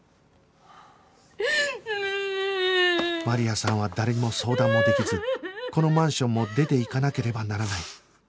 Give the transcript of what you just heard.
マリアさんは誰にも相談もできずこのマンションも出ていかなければならない